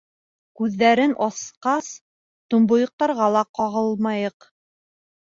— Күҙҙәрен асҡас, томбойоҡтарға ла ҡағылмайыҡ.